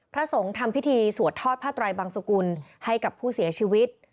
พระสงฆ์ทำพิธีสวดทอดผ้าไตรบังสุกุลให้กับผู้เสียชีวิต